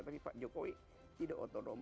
tapi pak jokowi tidak otonom